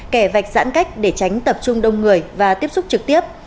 kẻ vạch giãn cách để tránh tập trung đông người và tiếp xúc trực tiếp